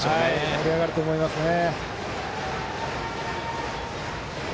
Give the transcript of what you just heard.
盛り上がると思いますね。